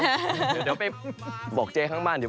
เดี๋ยวไปบอกเจข้างบ้าง